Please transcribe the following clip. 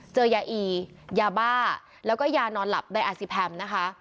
ยาอียาบ้าแล้วก็ยานอนหลับในอาซิแพมนะคะ